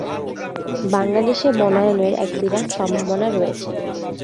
বাংলাদেশে বনায়নের এক বিরাট সম্ভাবনা রয়েছে।